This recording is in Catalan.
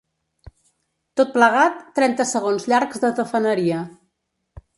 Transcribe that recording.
Tot plegat, trenta segons llargs de tafaneria.